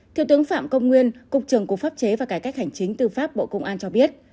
thiếu tướng phạm công nguyên cục trưởng cục pháp chế và cải cách hành chính tư pháp bộ công an cho biết